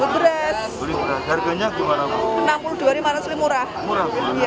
harganya rp enam puluh dua lima ratus lebih murah murah